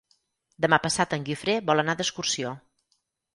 Demà passat en Guifré vol anar d'excursió.